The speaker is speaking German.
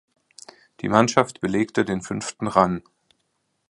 Die Mannschaft belegte den fünften Rang.